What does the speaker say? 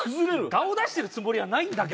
我を出してるつもりはないんだけど。